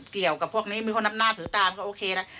เกี่ยวกับพวกนี้มีคนนับหน้าถือตามก็โอเคนะ